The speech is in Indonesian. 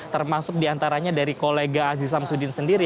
termasuk diantaranya dari kolega haji sabzudin sendiri